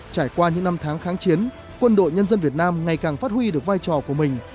trải qua những năm tháng kháng chiến quân đội nhân dân việt nam ngày càng phát huy được vai trò của mình